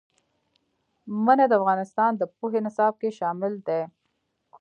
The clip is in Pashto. منی د افغانستان د پوهنې نصاب کې شامل دي.